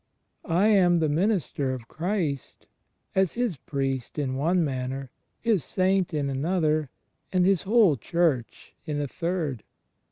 I am the minister of Christ, as His priest in one manner. His Saint in another, and his whole Church in a third."